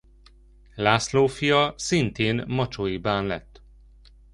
László fia szintén macsói bán lett.